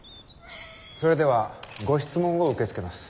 それではご質問を受け付けます。